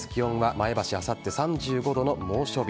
前橋あさって３５度の猛暑日。